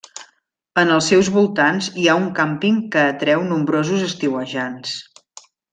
En els seus voltants hi ha un càmping que atreu nombrosos estiuejants.